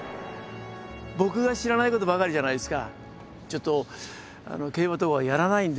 僕が知らないことばかりじゃないですか。